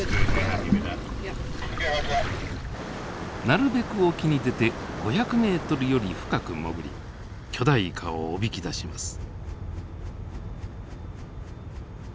なるべく沖に出て５００ｍより深く潜り巨大イカをおびき出します。